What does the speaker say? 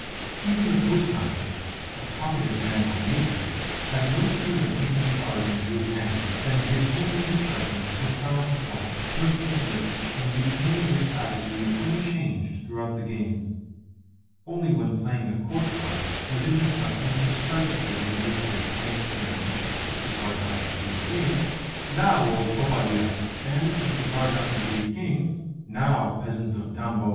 Even the Postmaster a talkative man by nature had no sooner taken the cards into his hands than he assumed an expression of profound thought, pursed his lips, and retained this attitude unchanged throughout the game. Only when playing a court card was it his custom to strike the table with his fist, and to exclaim (if the card happened to be a queen), "Now, old popadia !" and (if the card happened to be a king), "Now, peasant of Tambov!"